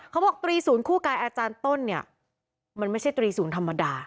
ตรีศูนย์คู่กายอาจารย์ต้นเนี่ยมันไม่ใช่ตรีศูนย์ธรรมดา